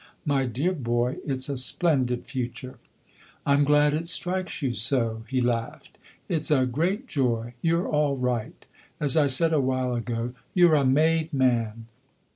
" My dear boy, it's a splendid future." " I'm glad it strikes you so !" he laughed. "It's a great joy you're all right. As I said a while ago, you're a made man."